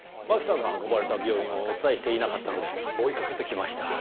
槙さんが運ばれた病院をお伝えしていなかったので追いかけてきました。